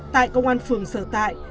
tại công an phường sở tại